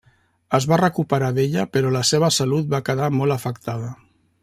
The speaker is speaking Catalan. Es va recuperar d'ella però la seva salut va quedar molt afectada.